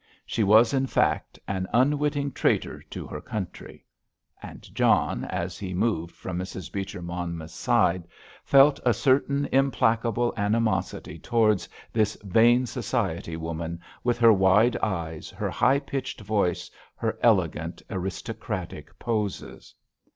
She was, in fact, an unwitting traitor to her country. And John, as he moved from Mrs. Beecher Monmouth's side, felt a certain implacable animosity towards this vain society woman, with her wide eyes, her high pitched voice, her elegant aristocratic poses.